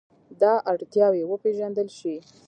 دا اړتیاوې وپېژندل شي.